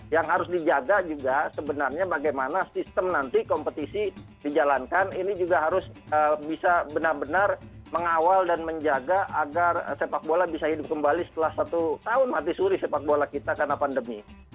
yang harus dijaga juga sebenarnya bagaimana sistem nanti kompetisi dijalankan ini juga harus bisa benar benar mengawal dan menjaga agar sepak bola bisa hidup kembali setelah satu tahun mati suri sepak bola kita karena pandemi